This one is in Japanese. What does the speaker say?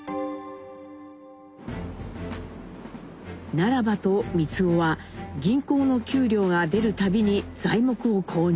ならばと光男は銀行の給料が出るたびに材木を購入。